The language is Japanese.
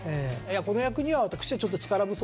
「この役には私はちょっと力不足です」